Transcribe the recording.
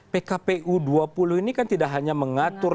pkpu dua puluh ini kan tidak hanya mengatur